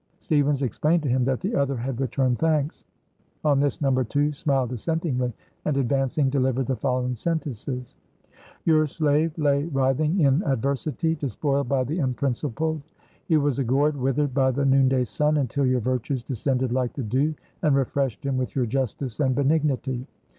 Stevens explained to him that the other had returned thanks. On this No. 2 smiled assentingly, and advancing delivered the following sentences: "Your slave lay writhing in adversity, despoiled by the unprincipled. He was a gourd withered by the noonday sun, until your virtues descended like the dew, and refreshed him with your justice and benignity.